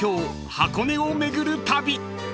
箱根を巡る旅］